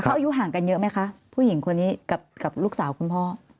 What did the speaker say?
เขาอายุห่างกันเยอะไหมคะผู้หญิงคนนี้กับลูกสาวคุณพ่อ